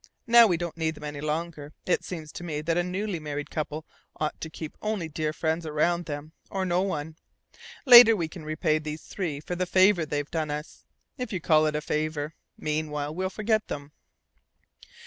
Now we don't need them any longer. It seems to me that a newly married couple ought to keep only dear friends around them or no one. Later we can repay these three for the favour they've done us, if you call it a favour. Meanwhile, we'll forget them."